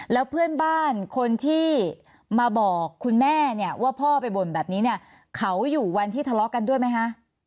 แล้วเพื่อนบ้านคนที่มาบอกคุณแม่เนี่ยว่าพ่อไปบ่นแบบนี้เนี่ยเขาอยู่วันที่ทะเลาะกันด้วยไหมคะ